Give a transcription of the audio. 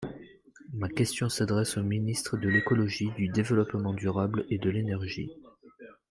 Ma question s’adresse au Ministre de l’écologie, du développement durable et de l’énergie.